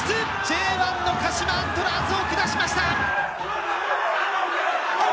Ｊ１の鹿島アントラーズを下しました！